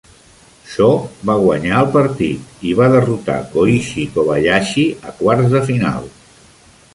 Cho va guanyar el partit i va derrotar Koichi Kobayashi a quarts de final.